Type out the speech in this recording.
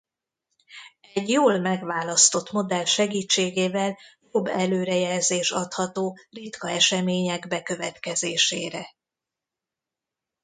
Egy jól megválasztott modell segítségével jobb előrejelzés adható ritka események bekövetkezésére.